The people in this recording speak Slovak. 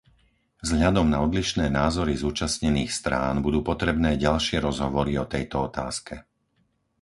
Vzhľadom na odlišné názory zúčastnených strán budú potrebné ďalšie rozhovory o tejto otázke.